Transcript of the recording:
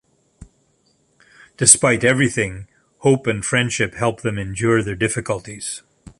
Despite everything, hope and friendship help them endure their difficulties.